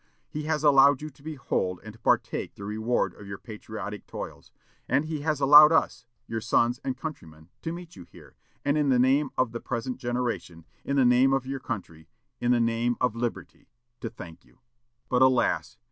He has allowed you to behold and to partake the reward of your patriotic toils, and he has allowed us, your sons and countrymen, to meet you here, and in the name of the present generation, in the name of your country, in the name of liberty, to thank you! "But, alas!